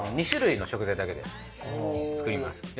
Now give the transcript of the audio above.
２種類の食材だけで作ります。